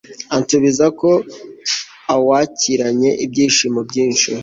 ansubiza ko awakiranye ibyishimo byinshi